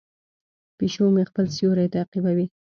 پیشو مې خپل سیوری تعقیبوي.